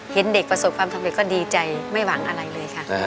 เห็นเด็กประสบความสำเร็จก็ดีใจไม่หวังอะไรเลยค่ะ